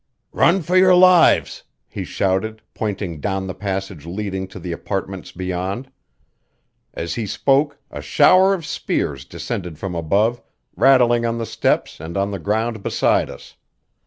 "Run for your lives!" he shouted, pointing down the passage leading to the apartments beyond. As he spoke a shower of spears descended from above, rattling on the steps and on the ground beside us.